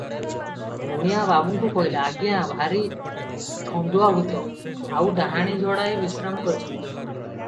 ଗୁଣିଆ ବାବୁଙ୍କୁ କହିଲା, "ଆଜ୍ଞା, ଭାରି ଛନ୍ଦୁଆ ଭୂତ, ଆଉ ଡାହାଣୀ ଯୋଡାଏ ବିଶ୍ରାମ କରିଛନ୍ତି ।